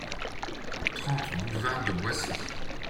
trente boulevard de Boissy